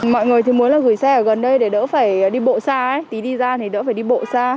mọi người thì muốn là gửi xe ở gần đây để đỡ phải đi bộ xa thì đi ra thì đỡ phải đi bộ xa